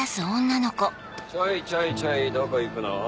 ちょいちょいちょいどこ行くの？